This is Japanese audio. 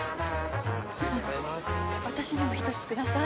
私にも１つください。